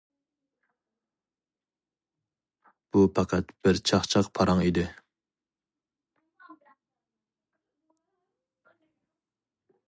بۇ پەقەت بىر چاقچاق پاراڭ ئىدى.